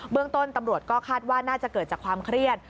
เรื่องต้นตำรวจก็คาดว่าน่าจะเกิดจากความเครียด